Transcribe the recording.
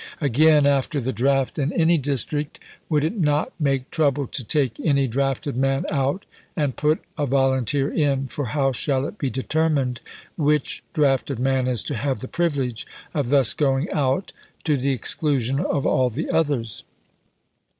Again, after the draft in any district, would it not make trouble to take any drafted man out and put a volunteer in, for how shall it be determined which drafted man is to have the privilege of thus going out, to the exclusion of all the others